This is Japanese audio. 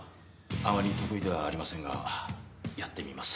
あまり得意ではありませんがやってみます。